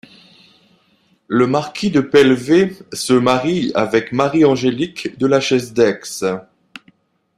Le marquis de Pellevé se marie avec Marie Angélique de La Chaize d'Aix.